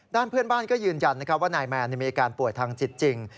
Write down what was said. ด้านเพื่อนบ้านก็ยืนยันว่านายแมนมีอาการป่วยทางจิตจริง